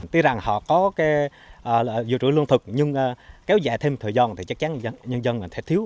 tuy rằng họ có cái dự trữ lương thực nhưng kéo dài thêm thời gian thì chắc chắn nhân dân sẽ thiếu